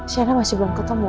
sienna masih belum ketemu